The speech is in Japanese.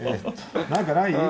何かない？